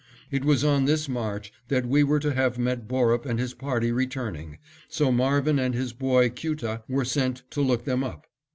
It was on this march that we were to have met Borup and his party returning, so Marvin and his boy Kyutah were sent to look them up.